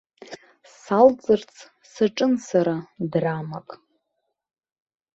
Салцырц саҿын сара драмак.